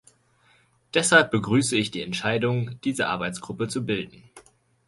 Deshalb begrüße ich die Entscheidung, diese Arbeitsgruppe zu bilden.